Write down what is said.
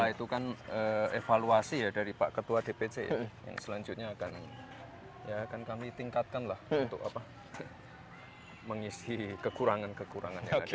nah itu kan evaluasi ya dari pak ketua dpc yang selanjutnya akan kami tingkatkan lah untuk mengisi kekurangan kekurangan yang ada di situ